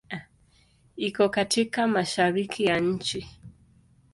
Iko katika Mashariki ya nchi.